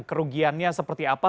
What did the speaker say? kerugiannya seperti apa